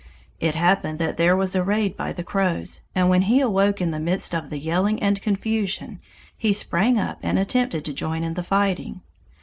It happened that there was a raid by the Crows, and when he awoke in the midst of the yelling and confusion, he sprang up and attempted to join in the fighting.